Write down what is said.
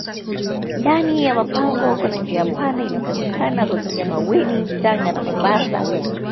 ndani ya mapango Kuna njia panda inayosemekana kutokea maweni tanga na mombasa